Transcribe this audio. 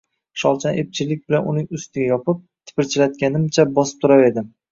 Sholchani epchillik bilan uning ustiga yopib, tipirchilatganimcha bosib turaverdim